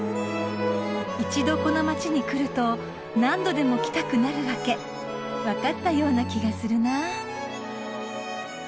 一度この街に来ると何度でも来たくなるわけ分かったような気がするな。